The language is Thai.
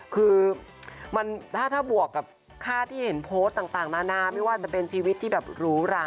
คือถ้าบวกกับค่าที่เห็นโพสต์ต่างนานาไม่ว่าจะเป็นชีวิตที่แบบหรูหรา